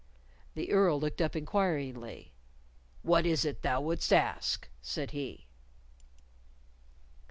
The Earl looked up inquiringly. "What is it thou wouldst ask?" said he.